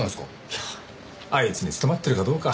いやあいつに務まってるかどうか。